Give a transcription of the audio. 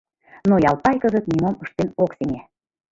Но Ялпай кызыт нимом ыштен ок сеҥе.